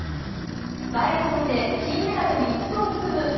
バイアスロンで金メダル３つを含む